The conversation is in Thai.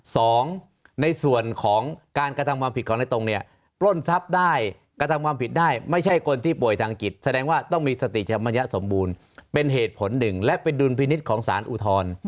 สองในส่วนของการกระทำความผิดของในตรงเนี่ยปล้นทรัพย์ได้กระทำความผิดได้ไม่ใช่คนที่ป่วยทางจิตแสดงว่าต้องมีสติธรรมยะสมบูรณ์เป็นเหตุผลหนึ่งและเป็นดุลพินิษฐ์ของสารอุทธรณ์